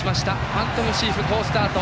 ファントムシーフ、好スタート。